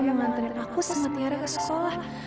memanten aku sama tiara ke sekolah